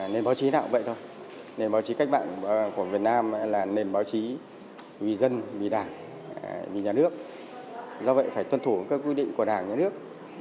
nhà báo độc lập việt nam